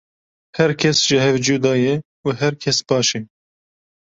Her kes ji hev cuda ye û her kes baş e.